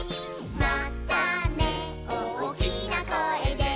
「またねおおきなこえで」